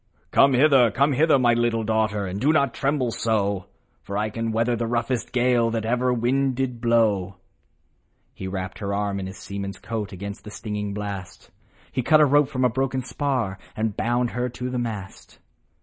" Come hither ! come hither ! my little daughter And do not tremble so ; For I can weather the roughest gale That ever wind did blow." He wrapped her warm in his seaman's coat, Against the stinging blast ; He cut a rope from a broken spar, And bound her to the mast.